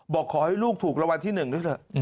บอกขอให้ลูกถูกละวันที่๑ด้วยหรือเปล่า